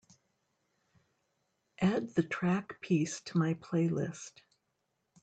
Add the track peace to my playlist